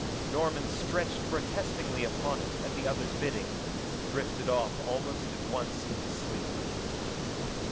Norman stretched protestingly upon it at the other's bidding, drifted off almost at once into sleep.